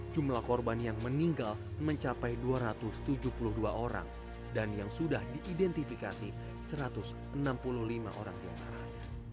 jumlah korban yang meninggal mencapai dua ratus tujuh puluh dua orang dan yang sudah diidentifikasi satu ratus enam puluh lima orang diantaranya